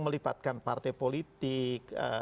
melibatkan partai politik